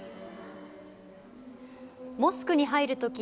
モスクに入るとき